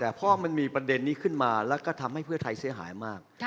แต่พอมันมีประเด็นนี้ขึ้นมาแล้วก็ทำให้เพื่อไทยเสียหายมาก